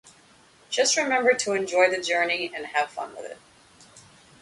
Just remember to enjoy the journey and have fun with it.